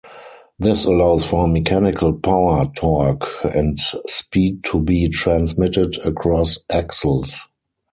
This allows for mechanical power, torque, and speed to be transmitted across axles.